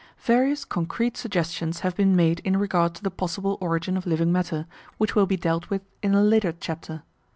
Various concrete suggestions have been made in regard to the possible origin of living matter, which will be dealt with in a later chapter.